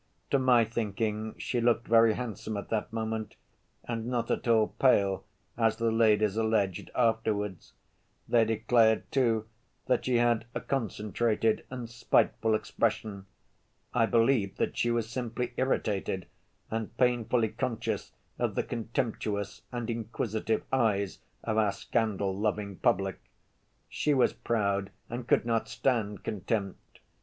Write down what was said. To my thinking she looked very handsome at that moment, and not at all pale, as the ladies alleged afterwards. They declared, too, that she had a concentrated and spiteful expression. I believe that she was simply irritated and painfully conscious of the contemptuous and inquisitive eyes of our scandal‐loving public. She was proud and could not stand contempt.